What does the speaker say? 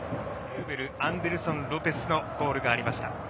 エウベルアンデルソン・ロペスのゴールがありました。